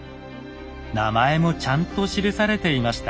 名前もちゃんと記されていました。